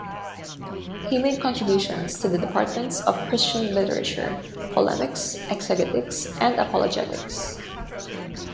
He made contributions to the departments of Christian literature, polemics, exegetics, and apologetics.